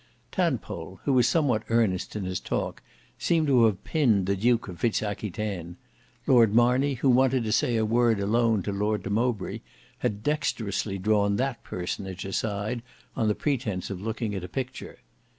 Tadpole, who was somewhat earnest in his talk, seemed to have pinned the Duke of Fitz Aquitaine; Lord Marney who wanted to say a word alone to Lord de Mowbray had dexterously drawn that personage aside on the pretence of looking at a picture.